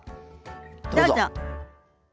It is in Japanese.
どうぞ。